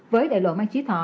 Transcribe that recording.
với đại lộ mai trí thọ